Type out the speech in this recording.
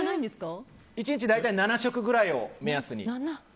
１日大体７食ぐらいを目安に。